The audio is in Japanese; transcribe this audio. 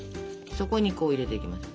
そこにこう入れていきます。